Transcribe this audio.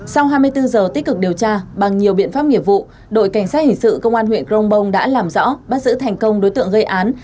sau hai mươi bốn giờ tích cực điều tra bằng nhiều biện pháp nghiệp vụ đội cảnh sát hình sự công an huyện crong bông đã làm rõ bắt giữ thành công đối tượng gây án